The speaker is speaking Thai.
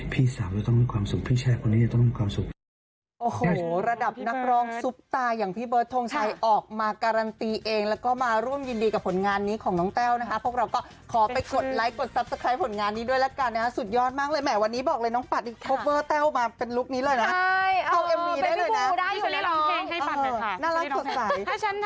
พี่ชายคนนี้ต้องมีความสุข